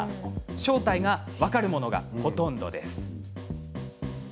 正体が分かるものがほとんどです。